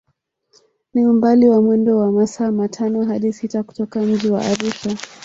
Ni umbali wa mwendo wa masaa matano hadi sita kutoka mji wa Arusha